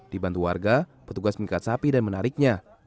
dibantu warga petugas mengikat sapi dan menariknya